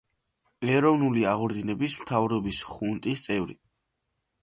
ეროვნული აღორძინების მთავრობის ხუნტის წევრი.